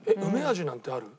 味なんてある？